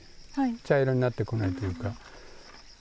茶色になってこないというか。